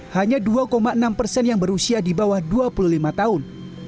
hanya dua enam persen yang berusia di bawah dua puluh lima tahun